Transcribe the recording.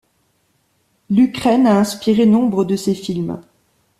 L'Ukraine a inspiré nombre de ses films.